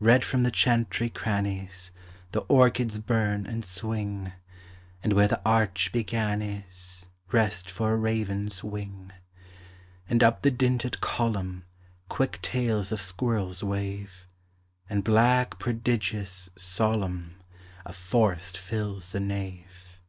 Red from the chantry crannies The orchids burn and swing, And where the arch began is Rest for a raven's wing; And up the dinted column Quick tails of squirrels wave, And black, prodigious, solemn, A forest fills the nave.